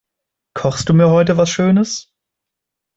Kochst du mir heute was schönes?